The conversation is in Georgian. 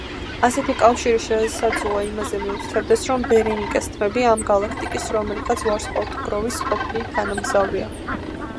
ასეთი კავშირი შესაძლოა იმაზე მიუთითებდეს, რომ ბერენიკეს თმები ამ გალაქტიკის რომელიღაც ვარსკვლავთგროვის ყოფილი თანამგზავრია.